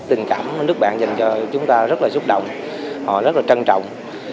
tình cảm nước bạn dành cho chúng ta rất là xúc động họ rất là trân trọng